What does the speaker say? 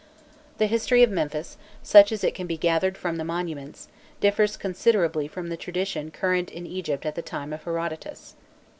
The history of Memphis, such as it can be gathered from the monuments, differs considerably from the tradition current in Egypt at the time of Herodotus.